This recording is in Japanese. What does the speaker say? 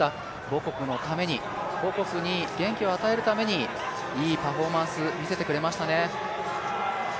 母国のために母国に元気を与えるためにいいパフォーマンスを見せてくれましたね。